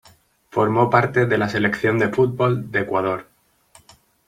Formó parte de la Selección de fútbol de Ecuador.